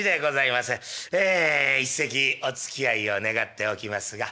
ええ一席おつきあいを願っておきますが。